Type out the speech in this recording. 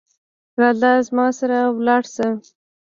راځه زما سره لاړ شه